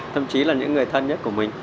thậm chí là những người thân nhất của mình